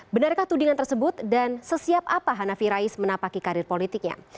benarkah tudingan tersebut dan sesiap apa hanafi rais menapaki karir politiknya